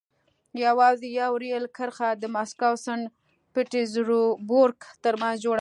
یوازې یوه رېل کرښه د مسکو سن پټزربورګ ترمنځ جوړه شوه.